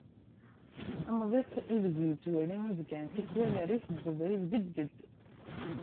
Amḍiq ideg yettwali ibkan tikwal rrif n ubrid gedged.